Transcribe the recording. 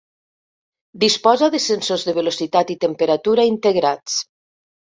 Disposa de sensors de velocitat i temperatura integrats.